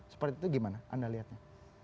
seperti itu gimana anda lihatnya